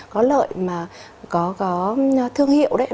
có lợi mà có thương hiệu đấy